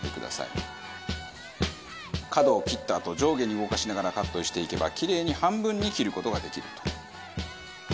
角を切ったあと上下に動かしながらカットしていけばキレイに半分に切る事ができると。